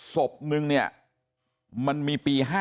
ศพนึงมันมีปี๕๗